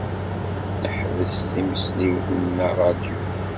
Neḥbes timesliwt n ṛṛadyu.